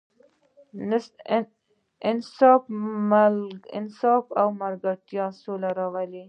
انصاف او ملګرتیا سوله راولي.